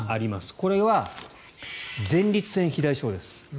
これは前立腺肥大症です。